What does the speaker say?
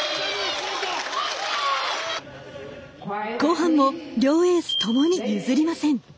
後半も両エースともに譲りません。